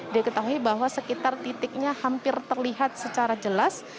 diketahui bahwa sekitar titiknya hampir terlihat secara jelas